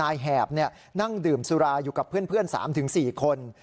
แหบนั่งดื่มสุราอยู่กับเพื่อน๓๔คน